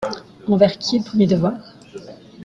Envers qui est le premier devoir?